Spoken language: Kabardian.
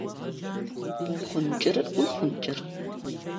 Мо хъун кӏырыр уи хъун кӏыр?